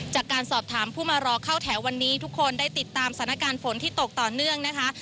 จากการสอบถามผู้มารอเข้าแถววันนี้ทุกคนได้ติดตามสถานการณ์ฝนที่ตกต่อเนื่องนะคะ